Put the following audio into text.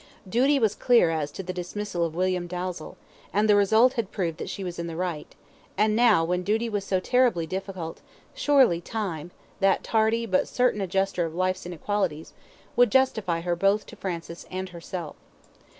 Duty was clear as to the dismissal of William Dalzell, and the result had proved that she was in the right; and now, when duty was so terribly difficult, surely time, that tardy, but certain adjuster of life's inequalities, would justify her both to Francis and herself.